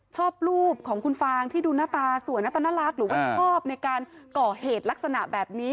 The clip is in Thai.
ชอบรูปของคุณฟางที่ดูหน้าตาสวยหน้าตาน่ารักหรือว่าชอบในการก่อเหตุลักษณะแบบนี้